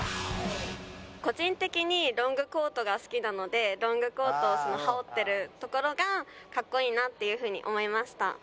個人的にロングコートが好きなのでロングコートを羽織ってるところが格好いいなっていう風に思いました。